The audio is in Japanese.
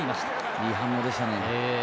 いい反応でしたね。